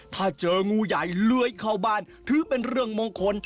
ถ้าเจองูใหญ่เลื้อยเข้าบ้านถือเป็นเรื่องมงคล